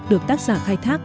được tác giả khai thác